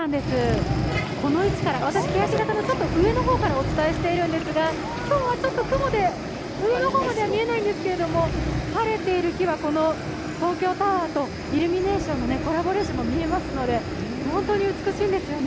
この位置から、私、けやき坂の上の方からお伝えしているんですが今日はちょっと雲で、上の方まで見えないんですけれども、晴れている日はこの東京タワーとイルミネーションのコラボレーションが見られますので本当に美しいんです。